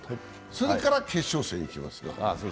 それから決勝戦行きますから。